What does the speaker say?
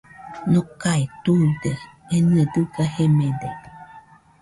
Nokae tuide enɨe dɨga jemede